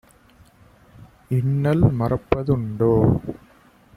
இன்னல் மறப்ப துண்டோ?"